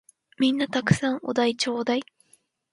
皆んな沢山お題ちょーだい！